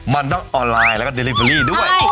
มันต้องออนไลน์แล้วก็เดลิเวอรี่ด้วย